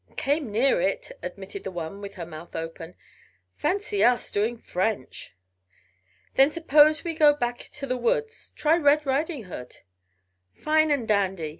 "Came near it," admitted the one with her mouth open. "Fancy us doing French!" "Then suppose we go back to the woods try Red Riding Hood?" "Fine and dandy!"